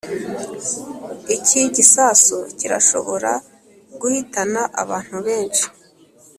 iki gisasu kirashobora guhitana abantu benshi.